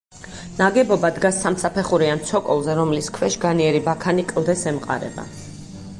ნაგებობა დგას სამსაფეხურიან ცოკოლზე, რომლის ქვეშ განიერი ბაქანი კლდეს ემყარება.